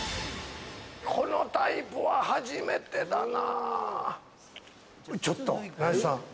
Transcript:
このタイプは初めてだな。